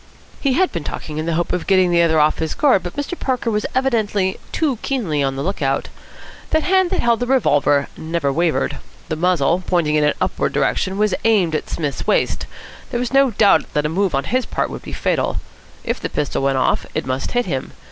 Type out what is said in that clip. He had been talking in the hope of getting the other off his guard; but Mr. Parker was evidently too keenly on the look out. The hand that held the revolver never wavered. The muzzle, pointing in an upward direction, was aimed at Psmith's waist. There was no doubt that a move on his part would be fatal. If the pistol went off, it must hit him.